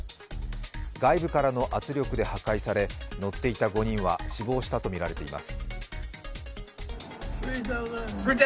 外部からの圧力で破壊され乗っていた５人は死亡したとみられています。